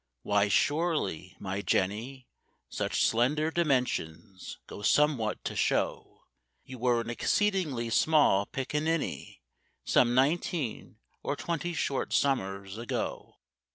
Why surely, my Jenny, Such slender dimensions go somewhat to show You were an exceedingly small pic a ninny Some nineteen or twenty short summers ago.